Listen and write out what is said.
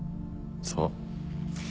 そう。